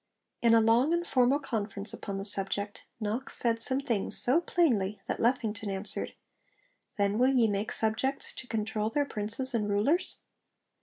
In a long and formal conference upon the subject, Knox said some things so plainly that Lethington answered 'Then will ye make subjects to control their princes and rulers?'